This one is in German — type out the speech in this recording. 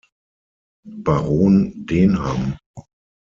Baron Denham.